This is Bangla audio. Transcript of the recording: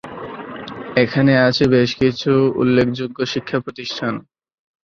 এখানে আছে বেশকিছু উল্লেখযোগ্য শিক্ষা প্রতিষ্ঠান।